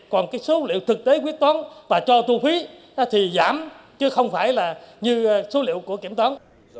còn cái số liệu thực tế quyết toán và cho thu phí thì giảm chứ không phải là như số liệu của kiểm toán